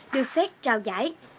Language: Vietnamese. được xét trao giải